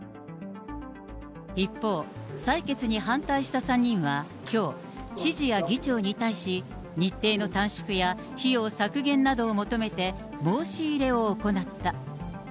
一方、採決に反対した３人はきょう、知事や議長に対し、日程の短縮や費用削減などを求めて申し入れを行った。